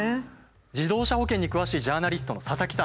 自動車保険に詳しいジャーナリストの佐々木さん。